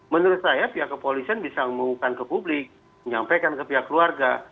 menurut saya pihak kepolisian bisa mengumumkan ke publik menyampaikan ke pihak keluarga